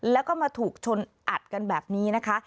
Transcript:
แล้วก็มาถูกชนอัดกันแบบนี้นะคะ